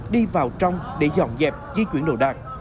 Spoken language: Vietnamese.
đi vào trong để dọn dẹp di chuyển đồ đạc